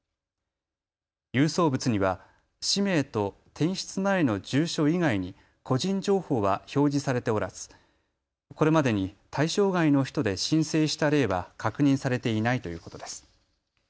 郵送物には氏名と転出前の住所以外に個人情報は表示されておらずこれまでに対象外の人で申請した例は確認されていないということです。